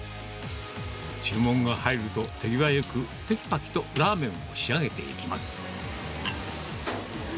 注文が入ると、手際よくてきぱきとラーメンを仕上げていきます。